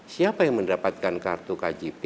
siapa yang mendapatkan kartu kjp